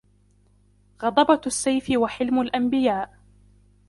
غضبة السيف وحلم الأنبياء